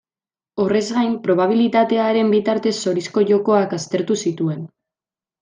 Horrez gain, probabilitatearen bitartez zorizko jokoak aztertu zituen.